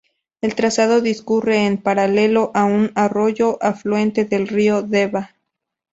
El trazado discurre en paralelo a un arroyo afluente del río Deva.